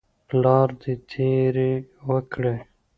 پلار دې تیری وکړي.